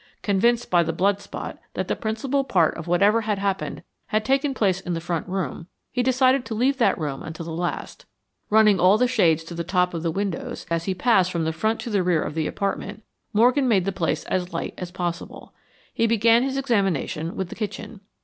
Convinced by the blood spot that the principal part of whatever had happened had taken place in the front room, he decided to leave that room until the last. Running all the shades to the top of the windows as he passed from the front to the rear of the apartment, Morgan made the place as light as possible. He began his examination with the kitchen.